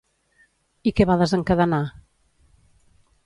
I què va desencadenar?